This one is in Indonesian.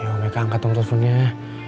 ayo mereka angkat dong teleponnya